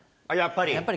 やっぱり。